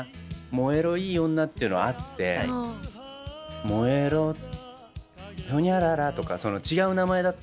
「燃えろいい女」っていうのあって「燃えろほにゃらら」とか違う名前だったかもしれない。